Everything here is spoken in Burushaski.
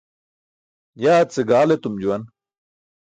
Yaa ce gaal etum juwan